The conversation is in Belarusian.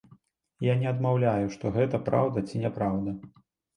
Я не адмаўляю, што гэта праўда ці не праўда.